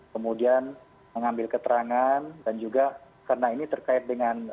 kemudian mengambil keterangan dan juga karena ini terkait dengan anak tiba umur